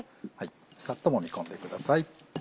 サッともみ込んでください。